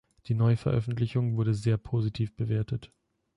Die Neuveröffentlichung wurde sehr positiv bewertet.